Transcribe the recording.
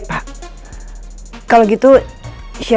kembali mereka ke tempat yang sama ya